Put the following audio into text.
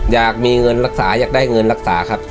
อยากมีเงินรักษาอยากได้เงินรักษาครับ